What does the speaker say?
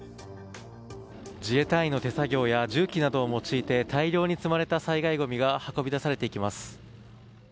自衛隊員の手作業や重機などを用いて大量に積まれた災害ごみが運び出されていきます。